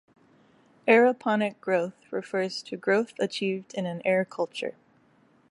"Aeroponic growth" refers to growth achieved in an air culture.